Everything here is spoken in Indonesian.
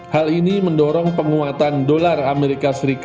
hal ini mendorong penguatan dolar as